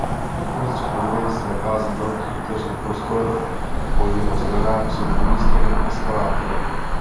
Uprostřed budovy se nachází velký otevřený prostor a po jeho stranách jsou umístěny eskalátory.